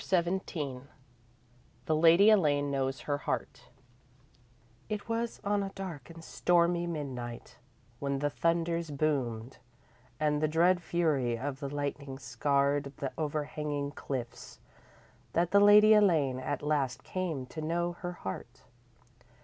XVII The Lady Elaine knows her Heart _It was on a dark and stormy midnight, when the thunders boomed and the dread fury of the lightnings scarred the overhanging cliffs, that the Lady Elaine at last came to know her heart.